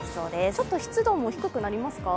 ちょっと湿度も低くなりますか？